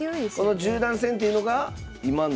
この十段戦というのが今の？